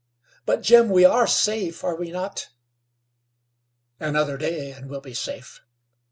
But, Jim, we are safe, are we not?" "Another day, and we'll be safe."